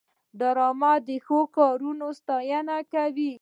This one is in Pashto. ډرامه د ښو کارونو ستاینه کوي